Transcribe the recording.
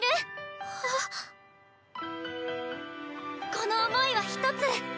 この想いは一つ。